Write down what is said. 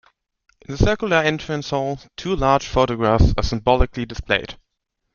In the circular entrance hall two large photographs are symbolically displayed.